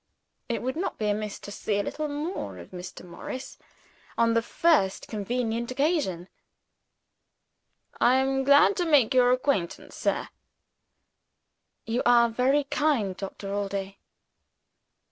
It would not be amiss to see a little more of Mr. Morris, on the first convenient occasion. "I am glad to make your acquaintance, sir." "You are very kind, Doctor Allday."